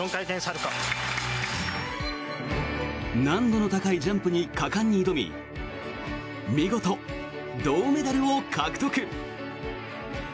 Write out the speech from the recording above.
難度の高いジャンプに果敢に挑み見事、銅メダルを獲得。